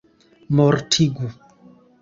mortigu